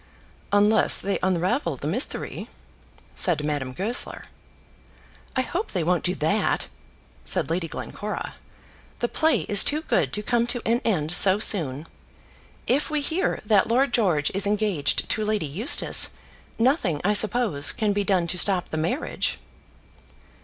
"Unless they unravel the mystery," said Madame Goesler. "I hope they won't do that," said Lady Glencora. "The play is too good to come to an end so soon. If we hear that Lord George is engaged to Lady Eustace, nothing, I suppose, can be done to stop the marriage."